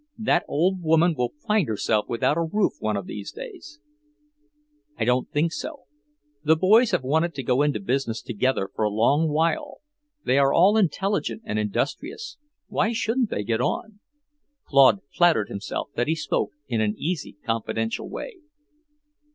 That old woman will find herself without a roof one of these days." "I don't think so. The boys have wanted to go into business together for a long while. They are all intelligent and industrious; why shouldn't they get on?" Claude flattered himself that he spoke in an easy, confidential way.